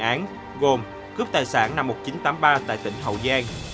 sotha có ba thiện án gồm cướp tài sản năm một nghìn chín trăm tám mươi ba tại tỉnh hậu giang